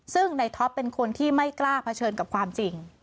ซึ่งในท็อปเป็นคนที่ไม่กล้าเผชิญกับความจริง